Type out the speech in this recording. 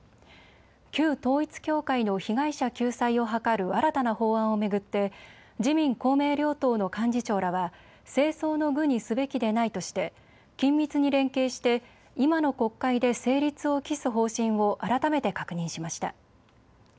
旧統一教会の被害者救済を図る新たな法案を巡って自民公明両党の幹事長らは政争の具にすべきでないとして緊密に連携して今の国会で成立を期す方針を改めて確認しました。